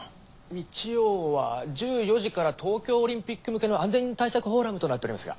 日曜は１４時から東京オリンピック向けの安全対策フォーラムとなっておりますが。